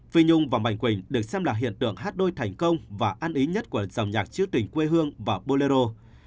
phi nhung và mạnh quỳnh được xem là hiện tượng hát đôi thành công và an ý nhất của dòng nhạc chứa tình quê hương và bolero